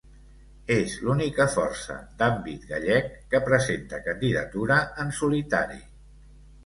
És l'única força d'àmbit gallec que presenta candidatura en solitari.